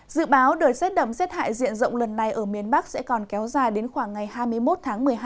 dự báo đợt xét đậm xét hại diện rộng lần này ở miền bắc sẽ còn kéo dài đến khoảng ngày hai mươi một tháng một mươi hai